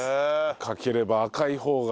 赤ければ赤い方が。